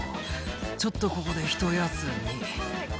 「ちょっとここでひと休み」